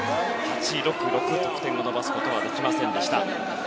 得点を伸ばすことはできませんでした。